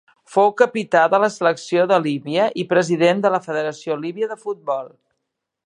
Fou capità de la selecció de Líbia i president de la Federació Líbia de Futbol.